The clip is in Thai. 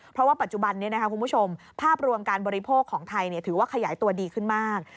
เพราะว่าปัจจุบันนี้คุณผู้ชมภาพรวมการบริโภคของไทยถือว่าขยายตัวดีขึ้นมาก